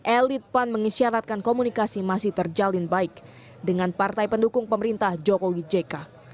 elit pan mengisyaratkan komunikasi masih terjalin baik dengan partai pendukung pemerintah jokowi jk